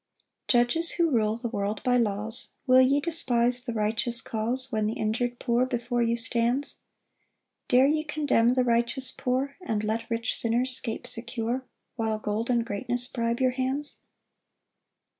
1 Judges, who rule the world by laws, Will ye despise the righteous cause, When th' injur'd poor before you stands? Dare ye condemn the righteous poor, And let rich sinners 'scape secure, While gold and greatness bribe your hands?